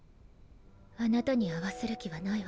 あなたにあわせるきはないわ。